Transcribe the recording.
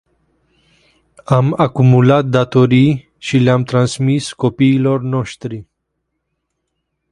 Am acumulat datorii și le-am transmis copiilor noștri.